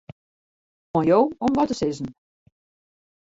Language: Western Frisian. Oan jo om wat te sizzen.